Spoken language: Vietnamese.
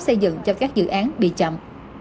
xây dựng cho các dự án bị chậm